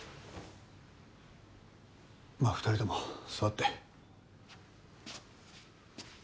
まぁ２人とも座って。